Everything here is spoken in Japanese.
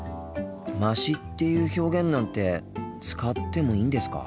「まし」っていう表現なんて使ってもいいんですか？